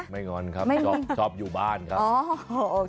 งอนครับชอบอยู่บ้านครับ